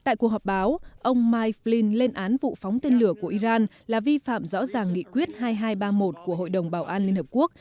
tại cuộc họp báo ông myflin lên án vụ phóng tên lửa của iran là vi phạm rõ ràng nghị quyết hai nghìn hai trăm ba mươi một của hội đồng bảo an liên hợp quốc